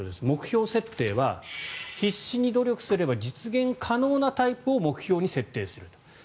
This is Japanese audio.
目標設定は必死に努力すれば実現可能なタイムを目標に設定すると。